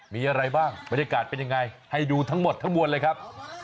มีอะไรบ้างบรรยากาศเป็นยังไงให้ดูทั้งหมดทั้งมวลเลยครับ